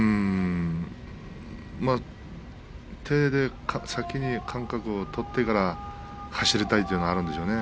手で先に間隔を取ってから走りたいというのがあるでしょうね。